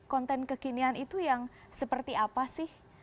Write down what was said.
konten kekinian itu yang seperti apa sih